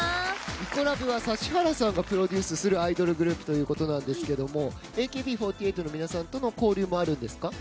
イコラブは指原さんがプロデュースするアイドルグループということなんですがＡＫＢ４８の皆さんとの交流もあるんですか？